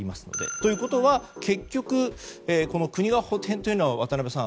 ということは、結局国が補填というのは、宜嗣さん。